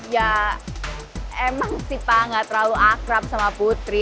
ya emang sih pak gak terlalu akrab sama putri